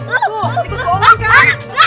tuh tikus bohongan kan